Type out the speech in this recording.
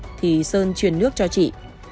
trong quá trình chị n đã truyền nước cho sơn